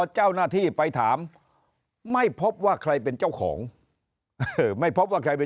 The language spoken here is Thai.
เจ้าหน้าที่ไปถามไม่พบว่าใครเป็นเจ้าของไม่พบว่าใครเป็น